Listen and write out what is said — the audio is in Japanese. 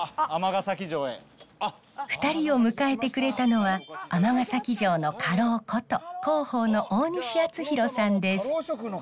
２人を迎えてくれたのは尼崎城の家老こと広報の大西淳浩さんです。